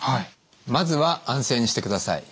まずは安静にしてください。